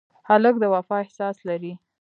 هلک د وفا احساس لري.